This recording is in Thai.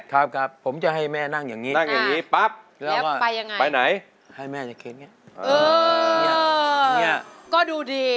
ครับผมจะให้แม่นั่งอย่างนี้แล้วก็ไปไหนให้แม่จะเข้นอย่างนี้